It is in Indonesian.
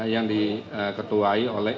yang diketuai oleh